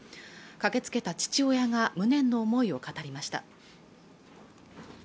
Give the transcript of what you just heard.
駆けつけた父親が無念の思いを語りました